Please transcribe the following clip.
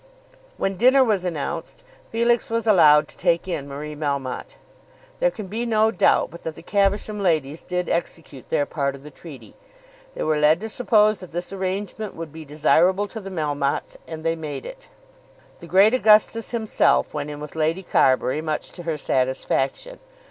When dinner was announced Felix was allowed to take in Marie Melmotte. There can be no doubt but that the Caversham ladies did execute their part of the treaty. They were led to suppose that this arrangement would be desirable to the Melmottes, and they made it. The great Augustus himself went in with Lady Carbury, much to her satisfaction.